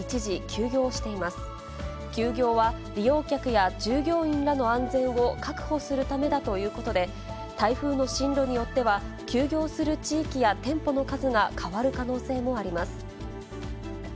休業は、利用客や従業員らの安全を確保するためだということで、台風の進路によっては、休業する地域や店舗の数が変わる可能性もあります。